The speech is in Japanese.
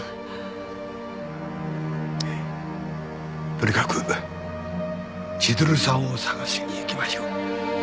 とにかく千鶴さんを捜しに行きましょう。